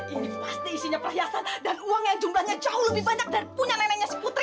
ini pasti isinya perhiasan dan uang yang jumlahnya jauh lebih banyak dan punya neneknya seputra